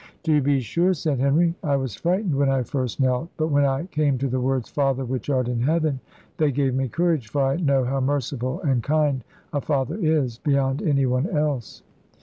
"To be sure," said Henry, "I was frightened when I first knelt; but when I came to the words, Father, which art in Heaven, they gave me courage; for I know how merciful and kind a father is, beyond any one else."